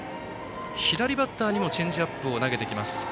左バッターにもチェンジアップを投げてきます。